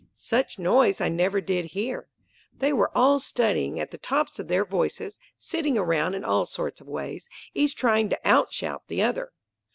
Such noise I never did hear! They were all studying at the tops of their voices, sitting around in all sorts of ways, each trying to out shout the other.